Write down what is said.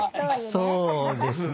そうですね。